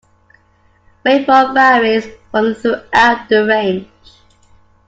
Rainfall varies from throughout the range.